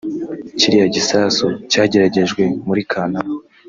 Kiriya gisasu cyageragejwe muri Kanama